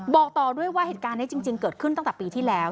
บอกต่อด้วยว่าเหตุการณ์นี้จริงเกิดขึ้นตั้งแต่ปีที่แล้ว